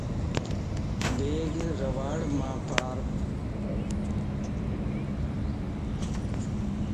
بيگ رَواڙماپار